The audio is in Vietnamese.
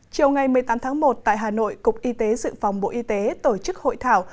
chiều ngày một mươi tám tháng một tại hà nội cục y tế dự phòng bộ y tế tổ chức hội thảo